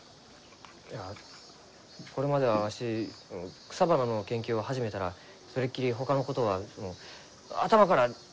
いやこれまではわし草花の研究を始めたらそれっきりほかのことは頭から全部かき消えました。